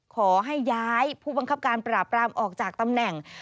ขอให้ย้ายผู้บังคับการปราบรามออกจากตำแหน่ง